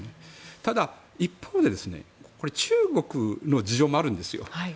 ただ一方で中国の事情もあるんですよ。